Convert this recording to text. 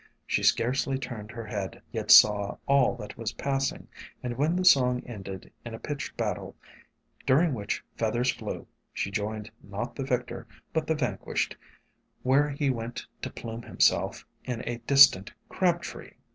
She scarcely turned her head, yet saw all that was passing, and when the song ended in a pitched battle during which feathers flew, she joined — not the victor, but the vanquished, where he went to plume himself in a distant Crab tree!